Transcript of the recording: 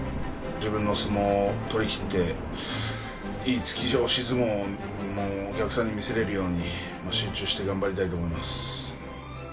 自分の相撲を取りきっていい突き押し相撲もお客さんに見せれるように集中して頑張りたいと思います。